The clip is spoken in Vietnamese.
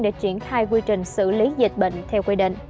để triển khai quy trình xử lý dịch bệnh theo quy định